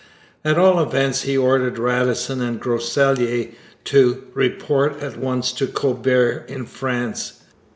At all events he ordered Radisson and Groseilliers to report at once to Colbert in France.